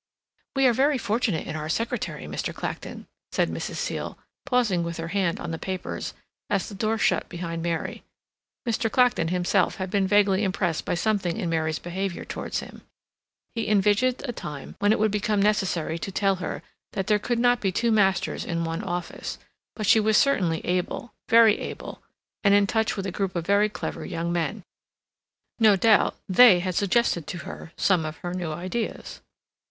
"We are very fortunate in our secretary, Mr. Clacton," said Mrs. Seal, pausing with her hand on the papers, as the door shut behind Mary. Mr. Clacton himself had been vaguely impressed by something in Mary's behavior towards him. He envisaged a time even when it would become necessary to tell her that there could not be two masters in one office—but she was certainly able, very able, and in touch with a group of very clever young men. No doubt they had suggested to her some of her new ideas.